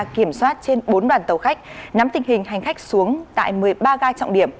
kiểm soát trên bốn đoàn tàu khách nắm tình hình hành khách xuống tại một mươi ba ga trọng điểm